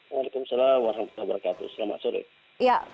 waalaikumsalam warahmatullahi wabarakatuh selamat sore